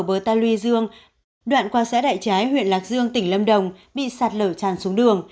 với ta luy dương đoạn qua xã đại trái huyện lạc dương tỉnh lâm đồng bị sạt lở tràn xuống đường